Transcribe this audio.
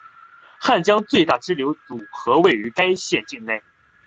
汉江最大支流堵河位于该县境内。